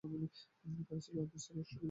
তারা ছিল আদিস্তরের অস্ট্রেলীয় জনগোষ্ঠী।